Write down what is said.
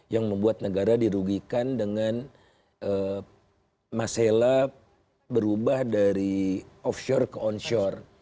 yang membuat negara dirugikan dengan masalah berubah dari offshore ke onshore